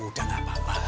udah gak apa apa